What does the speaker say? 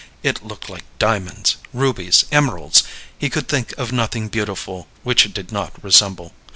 It looked like diamonds, rubies, emeralds; he could think of nothing beautiful which it did not resemble.